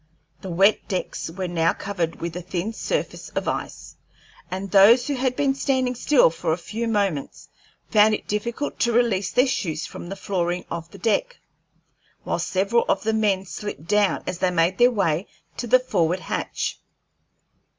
The wet decks were now covered with a thin surface of ice, and those who had been standing still for a few moments found it difficult to release their shoes from the flooring of the deck, while several of the men slipped down as they made their way to the forward hatch.